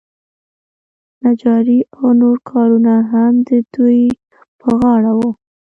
نجاري او نور کارونه هم د دوی په غاړه وو.